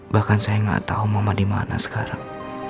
bahkan saya gak tau mama dimana sekarang